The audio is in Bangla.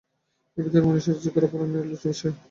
এই ভিতরের মানুষই আজিকার অপরাহ্ণের আলোচ্য বিষয়।